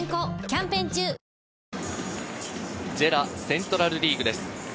ＪＥＲＡセントラルリーグです。